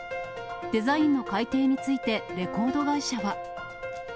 デザインの改訂について、レコード会社は。